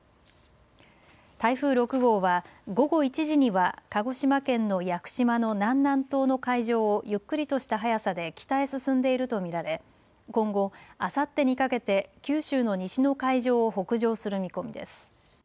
台風６号は午後１時には鹿児島県の屋久島の南南東の海上をゆっくりとした速さで北へ進んでいると見られ今後、あさってにかけて九州の西の海上を北上する見込みです。